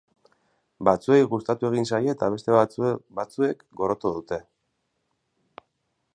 Batzuei gustatu egin zaie, eta beste batzuek gorroto dute.